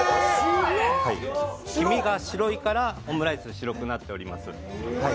黄身が白いからオムライス白くなっております。